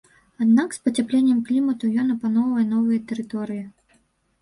Аднак з пацяпленнем клімату ён апаноўвае новыя тэрыторыі.